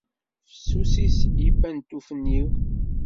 Fessusit yipantufen-iw.